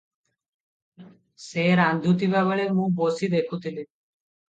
ସେ ରାନ୍ଧୁଥିବା ବେଳେ ମୁଁ ବସି ଦେଖୁଥାଏ |"